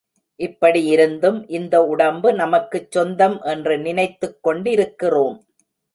இப்படி இருந்தும் இந்த உடம்பு நமக்குச் சொந்தம் என்று நினைத்துக் கொண்டிருக்கிறோம்.